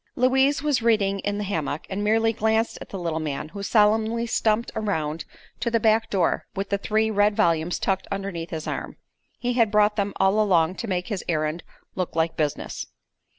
Louise was reading in the hammock, and merely glanced at the little man, who solemnly stumped around to the back door with the three red volumes tucked underneath his arm. He had brought them all along to make his errand "look like business."